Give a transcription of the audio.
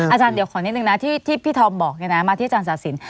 อาจารย์เดี๋ยวขอนิดนึงนะที่พี่ธอมบอกอย่างนั้นมาที่อาจารย์ศาสตร์ศิลป์